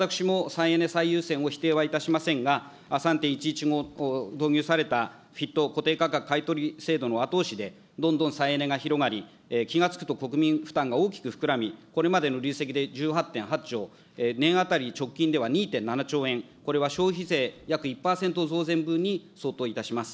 もちろん、私も再エネ最優先を否定はいたしませんが、３・１１後導入されたＦＩＴ固定価格買い取り制度の後押しでどんどん再エネが広がり、気が付くと国民負担が大きく膨らみ、これまでの累積で１８．８兆、年当たり直近では２．７兆円、これは消費税約１％増税分に相当いたします。